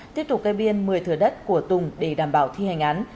tiếp tục cây biên một mươi thửa đất của tùng để đảm bảo thi hành án